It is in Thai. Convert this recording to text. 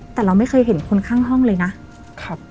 แต่เราไม่เคยเห็นคนข้างห้องเลยนะครับ